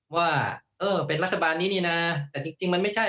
ว่าเออเป็นรัฐบาลนี้นี่นะแต่จริงมันไม่ใช่